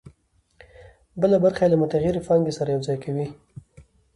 بله برخه یې له متغیرې پانګې سره یوځای کوي